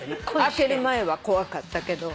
「開ける前は怖かったけど」